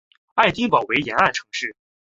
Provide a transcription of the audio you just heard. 爱丁堡为沿岸城市。